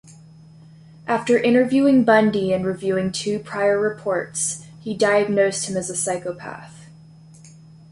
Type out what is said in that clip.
After interviewing Bundy and reviewing two prior reports, he diagnosed him as a psychopath.